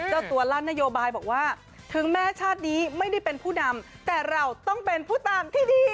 เจ้าตัวลั่นนโยบายบอกว่าถึงแม้ชาตินี้ไม่ได้เป็นผู้นำแต่เราต้องเป็นผู้ตามที่ดี